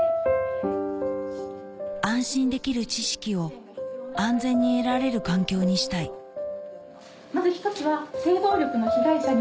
安心できる知識を安全に得られる環境にしたいまず。